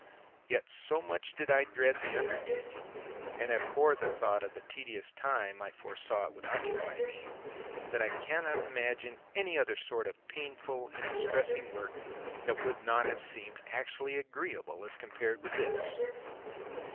Yet so much did I dread the undertaking, and abhor the thought of the tedious time I foresaw it would occupy me, that I cannot imagine any other sort of painful and distressing work that would not have seemed actually agreeable as compared with this.